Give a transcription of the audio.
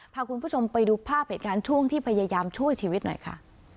พาคุณผู้ชมไปดูภาพเหตุการณ์ช่วงที่พยายามช่วยชีวิตหน่อยค่ะ